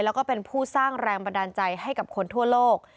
แล้วก็เป็นผู้สร้างแรงบันดาลใจให้กับคนทั่วโลก